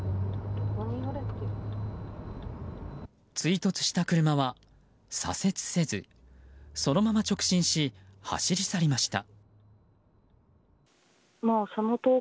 追突した車は左折せずそのまま直進し走り去りました。